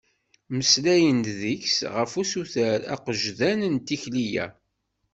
Mmeslayen-d deg-s ɣef usuter agejdan n tikli-a.